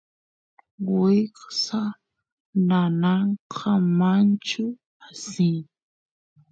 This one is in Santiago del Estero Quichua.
wiksa nanankamachu asin